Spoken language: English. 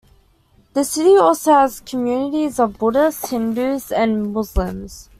The city also has communities of Buddhists, Hindus and Muslims.